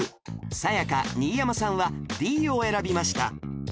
さや香新山さんは Ｄ を選びました